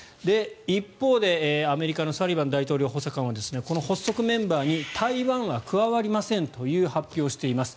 一方でアメリカのサリバン大統領補佐官はこの発足メンバーに台湾は加わりませんという発表をしています。